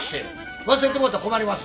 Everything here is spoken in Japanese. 忘れてもうたら困ります。